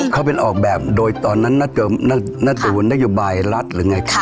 ก็เป็นออกแบบโดยตอนนั้นนัทจะอยู่บ่ายรัฐหรือไง